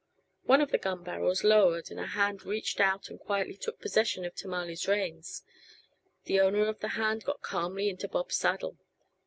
One of the gun barrels lowered and a hand reached out and quietly took possession of Tamale's reins; the owner of the hand got calmly into Bob's saddle.